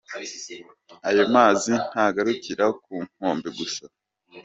Ayo mazi ntagarukira ku nkombe gusa.